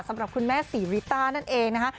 สำหรับคุณแม่ศรีริต้านั่นเองนะคะ